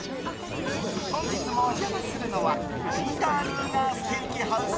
本日もお邪魔するのはピーター・ルーガー・ステーキハウス